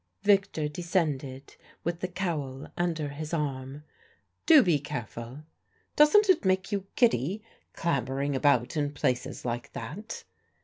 Victor descended with the cowl under his arm. "Do be careful. ... Doesn't it make you giddy, clambering about in places like that?"